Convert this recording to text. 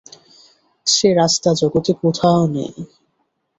সে রাস্তা জগতে কোথাও নেই।